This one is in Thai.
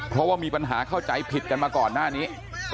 เพราะว่ามีปัญหาเข้าใจผิดกันมาก่อนหน้านี้